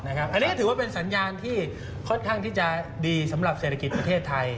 อันนี้ถือว่าเป็นสัญญาณที่ค่อนข้างที่จะดีสำหรับเศรษฐกิจประเทศไทย